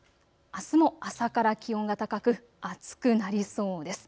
あすも朝から気温が高く暑くなりそうです。